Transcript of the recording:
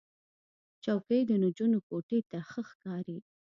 چوکۍ د نجونو کوټې ته ښه ښکاري.